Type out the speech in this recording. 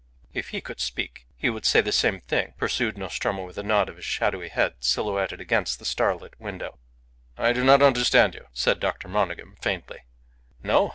"If he could speak he would say the same thing," pursued Nostromo, with a nod of his shadowy head silhouetted against the starlit window. "I do not understand you," said Dr. Monygham, faintly. "No?